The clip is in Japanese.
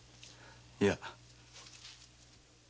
いや。